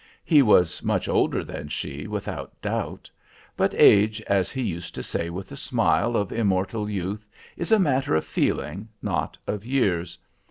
He was much older than she, without doubt. But age, as he used to say with a smile of immortal youth, is a matter of feeling, not of years.